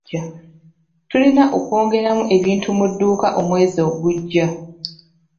Tulina okwongeramu ebintu mu dduuka omwezi ogujja.